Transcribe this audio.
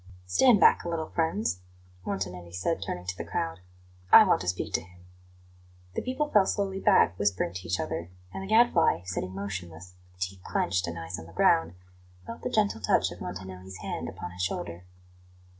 "Stand bark a little, friends," Montanelli said, turning to the crowd; "I want to speak to him." The people fell slowly back, whispering to each other, and the Gadfly, sitting motionless, with teeth clenched and eyes on the ground, felt the gentle touch of Montanelli's hand upon his shoulder.